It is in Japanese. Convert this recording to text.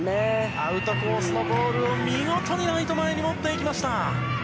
アウトコースのボールを見事ライト前に持っていきました。